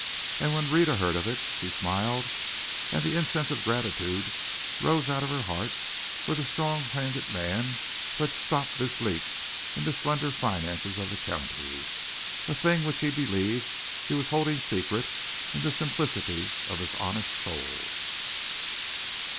And when Rhetta heard of it, she smiled, and the incense of gratitude rose out of her heart for the strong handed man who had stopped this leak in the slender finances of the county, a thing which he believed he was holding secret in the simplicity of his honest soul.